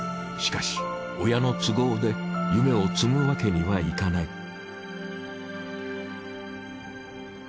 しかし親の都合で夢を摘むわけにはいかない。